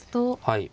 はい。